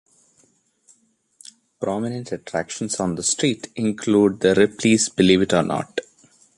Prominent attractions on the street include the Ripley's Believe It or Not!